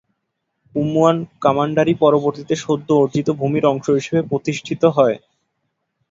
উয়ুয়ান কমান্ডারি পরবর্তীতে সদ্য অর্জিত ভূমির অংশ হিসেবে প্রতিষ্ঠিত হয়।